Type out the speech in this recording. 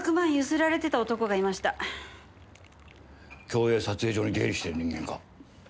共映撮影所に出入りしてる人間か？